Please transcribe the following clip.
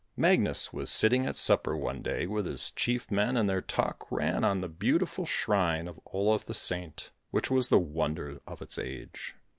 Magnus was sitting at supper one day with his chief men, and their talk ran on the beautiful shrine of Olaf the Saint, which was the wonder of its age.